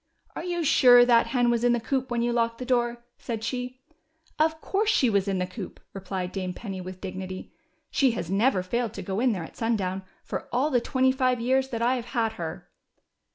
Are you sure that hen was in the coop when you locked the door ?" said she. Of course she was in the coop," replied Dame _ Penny with dignity. She has never failed to go in there at sundown for all the twenty five years that I've had her."